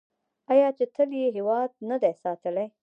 آیا چې تل یې هیواد نه دی ساتلی؟